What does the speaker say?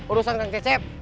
urusan kang cecep